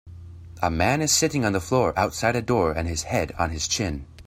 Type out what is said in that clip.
A man is sitting on the floor outside a door and his head on his chin.